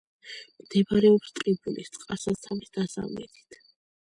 მდებარეობს ტყიბულის წყალსაცავის დასავლეთით.